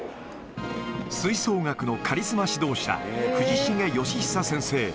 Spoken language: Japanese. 吹奏楽のカリスマ指導者、藤重佳久先生。